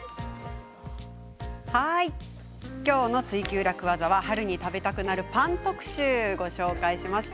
今日の「ツイＱ楽ワザ」は春に食べたくなるパン特集をお伝えしました。